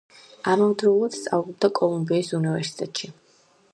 ამავდროულად სწავლობდა კოლუმბიის უნივერსიტეტში.